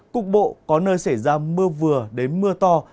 cục bộ có nơi xảy ra mưa vừa đến mưa to